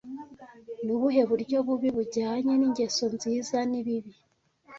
Ni ubuhe buryo bubi bujyanye n'ingeso nziza n'ibibi?